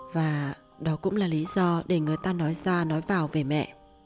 và đó cũng là lý do để người ta nói ra nói vào về mẹ